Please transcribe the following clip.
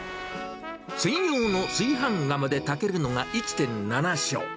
専用の炊飯釜で炊けるのが１．７升。